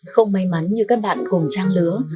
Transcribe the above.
không may mắn như các bạn cùng trang lứa